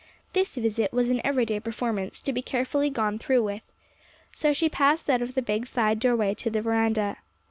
This visit was an everyday performance, to be carefully gone through with. So she passed out of the big side doorway, to the veranda.